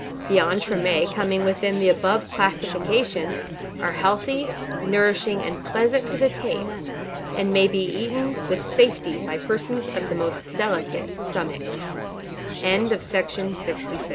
The entremets coming within the above classification, are healthy, nourishing, and pleasant to the taste, and may be eaten with safety by persons of the most delicate stomac